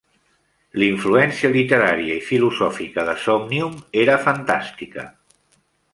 L"influència literària i filosòfica de "Somnium" era fantàstica.